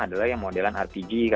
adalah yang modelan rpg